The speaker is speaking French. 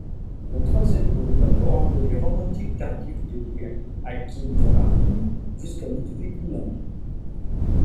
Le troisième volume aborde les romantiques tardifs depuis Achim von Arnim jusqu'à Ludwig Uhland.